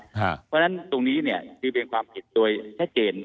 เพราะฉะนั้นตรงนี้เนี่ยคือเป็นความผิดโดยชัดเจน